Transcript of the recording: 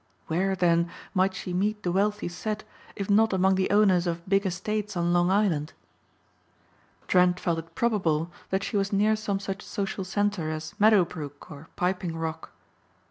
Where, then, might she meet the wealthy set if not among the owners of big estates on Long Island? Trent felt it probable that she was near some such social center as Meadowbrook or Piping Rock.